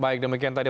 baik demikian tadi